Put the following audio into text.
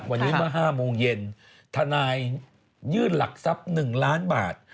วันนี้เมื่อ๕โมงเย็นทนายยื่นหลักทรัพย์๑ล้านบาท